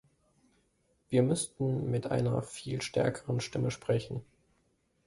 Wir müssten mit einer viel stärkeren Stimme sprechen.